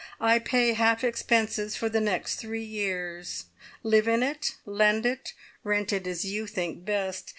I pay half expenses for the next three years. Live in it, lend it, rent it as you think best.